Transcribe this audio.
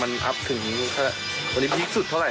แล้วคือมันอัพถึงวันนี้นิดสุดเท่าไหร่